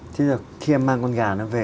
thế giờ khi em mang con gà nó về